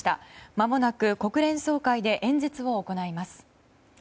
まもなく国連総会で演説を行います。